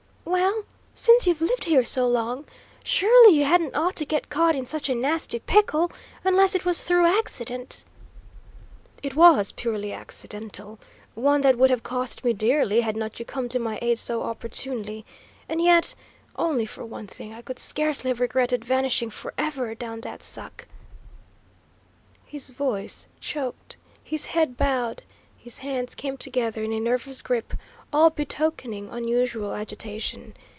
"Well, since you've lived here so long, surely you hadn't ought to get caught in such a nasty pickle; unless it was through accident?" "It was partly accidental. One that would have cost me dearly had not you come to my aid so opportunely. And yet, only for one thing, I could scarcely have regretted vanishing for ever down that suck!" His voice choked, his head bowed, his hands came together in a nervous grip, all betokening unusual agitation.